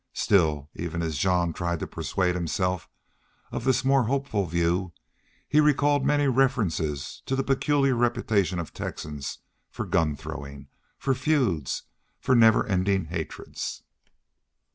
Still, even as Jean tried to persuade himself of this more hopeful view, he recalled many references to the peculiar reputation of Texans for gun throwing, for feuds, for never ending hatreds.